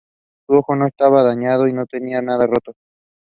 Her remains was buried in Montenegro.